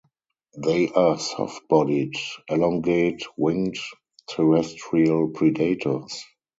They are soft-bodied, elongate, winged terrestrial predators.